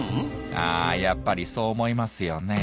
あやっぱりそう思いますよねえ。